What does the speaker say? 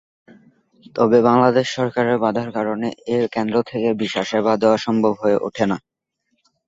তবে বাংলাদেশ সরকারের বাধার কারণে এ কেন্দ্র থেকে ভিসা সেবা দেওয়া সম্ভব হয়ে ওঠে না।